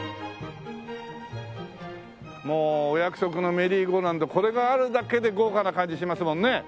もうお約束のメリーゴーランドこれがあるだけで豪華な感じしますもんね。